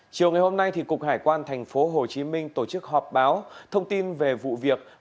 chiều ngày hôm nay cục hải quan tp hcm tổ chức họp báo thông tin về vụ việc